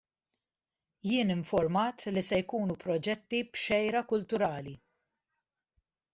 Jien informat li se jkunu proġetti b'xejra kulturali.